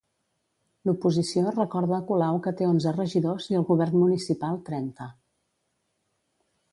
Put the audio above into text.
L'oposició recorda a Colau que té onze regidors i el govern municipal, trenta.